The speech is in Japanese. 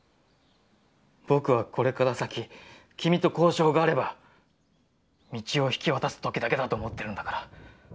僕はこれから先、君と交渉があれば、三千代を引き渡す時だけだと思ってるんだから」。